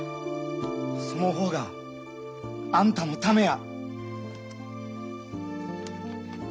その方があんたのためや。